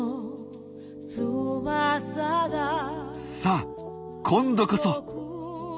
さあ今度こそ。